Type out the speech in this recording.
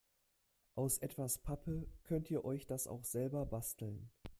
Aus etwas Pappe könnt ihr euch das auch selber basteln.